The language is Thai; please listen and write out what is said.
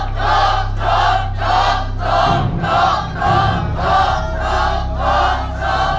ถูก